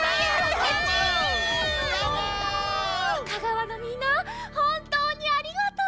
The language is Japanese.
香川のみんなほんとうにありがとう！